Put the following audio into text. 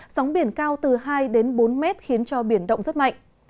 sóng biển cao từ hai đến bốn mét khiến cho biển động rất mạnh